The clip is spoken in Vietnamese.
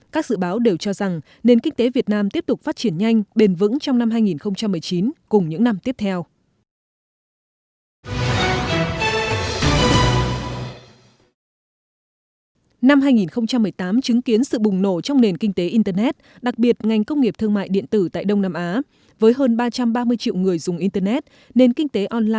các dự báo đều cho rằng nền kinh tế việt nam tiếp tục phát triển nhanh bền vững trong năm hai nghìn một mươi chín cùng những năm tiếp theo